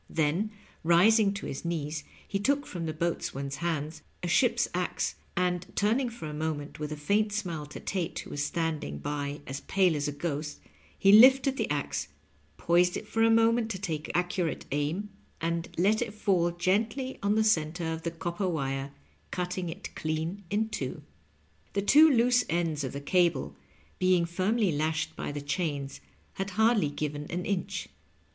Then, rising to his knees, he took from the boatswain's hands a ship's axe, and, turning for a moment with a faint smile to Tate, who was standing by as pale as a ghost, he lifted the axe, poised it for a moment to take accurate aim, and let it fall gently on the center of the copper wire, cutting it clean in two. The two loose ends of the cable, being firmly lashed by the chains, had hardly given an inch.